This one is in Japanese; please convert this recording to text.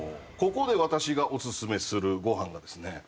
ここで私がおすすめするご飯がですね